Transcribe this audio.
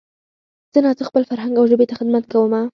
څه نا څه خپل فرهنګ او ژبې ته خدمت کومه